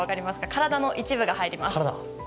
体の一部が入ります。